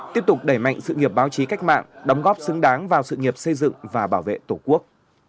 tiếp tục đẩy mạnh sự nghiệp báo chí cách mạng đóng góp xứng đáng vào sự nghiệp xây dựng và bảo vệ tổ quốc